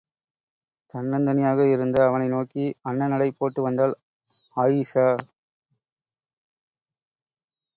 தன்னந்தனியாக இருந்த அவனை நோக்கி அன்னநடை போட்டு வந்தாள் ஆயீஷா!